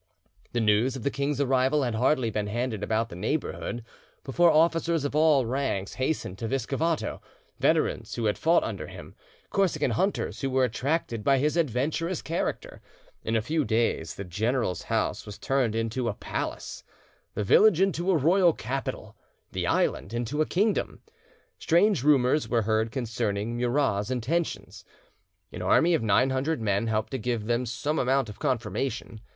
The news of the king's arrival had hardly been handed about the neighbourhood before officers of all ranks hastened to Viscovato, veterans who had fought under him, Corsican hunters who were attracted by his adventurous character; in a few days the general's house was turned into a palace, the village into a royal capital, the island into a kingdom. Strange rumours were heard concerning Murat's intentions. An army of nine hundred men helped to give them some amount of confirmation.